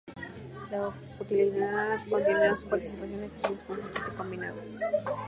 La unidad continúa su participación en ejercicios conjuntos y combinados.